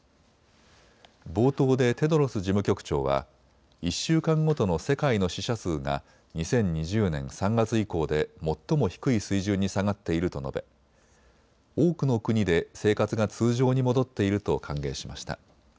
冒頭でテドロス事務局長は１週間ごとの世界の死者数が２０２０年３月以降で最も低い水準に下がっていると述べ多くの国で生活が通常に戻っていると歓迎しました。